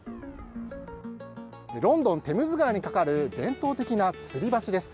ロンドン・テムズ川にかかる伝統的なつり橋です。